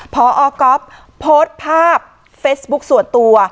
พอก๊อฟโพสต์ภาพเฟซบุ๊คส่วนตัว